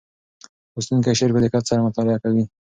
لوستونکی شعر په دقت سره مطالعه کوي.